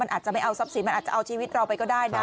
อาจจะไม่เอาทรัพย์สินมันอาจจะเอาชีวิตเราไปก็ได้นะ